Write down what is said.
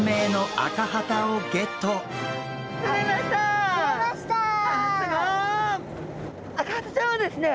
アカハタちゃんはですね